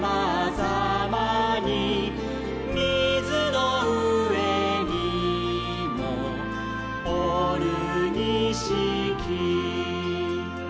「みずのうえにもおるにしき」